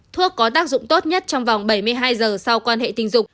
thuốc có tác dụng tốt nhất trong vòng bảy mươi hai giờ sau quan hệ tình dục